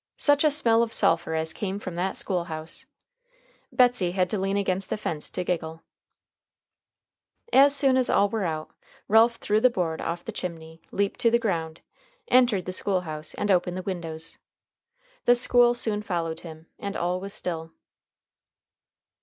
Such a smell of sulphur as came from that school house! Betsey had to lean against the fence to giggle. [Illustration: FIRE AND BRIMSTONE] As soon as all were out, Ralph threw the board off the chimney, leaped to the ground, entered the school house, and opened the windows. The school soon followed him, and all was still.